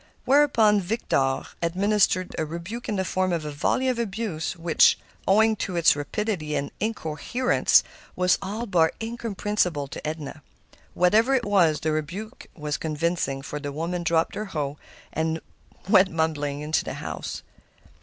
Whereupon Victor administered a rebuke in the form of a volley of abuse, which, owing to its rapidity and incoherence, was all but incomprehensible to Edna. Whatever it was, the rebuke was convincing, for the woman dropped her hoe and went mumbling into the house.